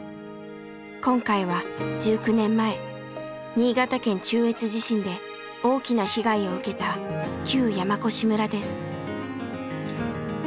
今回は１９年前新潟県中越地震で大きな被害を受けた旧山古志村です。